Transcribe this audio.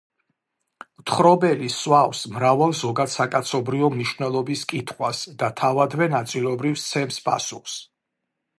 მთხრობელი სვავს მრავალ ზოგადსაკაცობრიო მნიშვნელობის კითხვას და თავადვე ნაწილობრივ სცემს პასუხს.